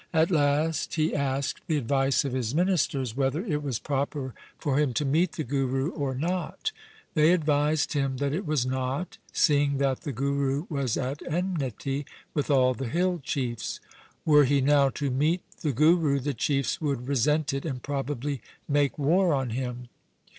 At last he asked the advice of his ministers, whether it was proper for him to meet the Guru or not. They advised him that it was not, seeing that the Guru was at enmity with all the hill chiefs. Were he now to meet the Guru, the chiefs would resent it and probably make war on him.